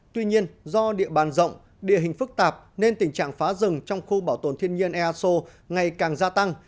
tuy nhiên do địa bàn rộng địa hình phức tạp nên tình trạng phá rừng trong khu bảo tồn thiên nhiên ea sô ngày càng gia tăng